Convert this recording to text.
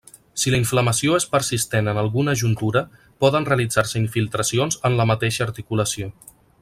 Si la inflamació és persistent en alguna juntura, poden realitzar-se infiltracions en la mateixa articulació.